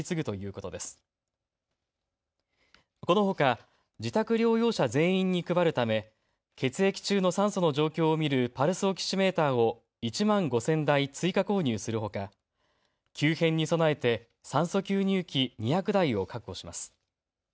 このほか自宅療養者全員に配るため血液中の酸素の状況を見るパルスオキシメーターを１万５０００台追加購入するほか急変に備えて酸素吸入器２００台を確保します。